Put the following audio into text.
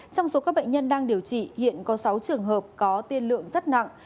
trong số các bệnh nhân đang điều trị hiện có sáu trường hợp có tiên lượng rất nặng